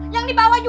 yang dibawa juga tuh